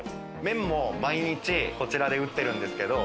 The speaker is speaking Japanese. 麺も毎日こちらで打ってるんですけど。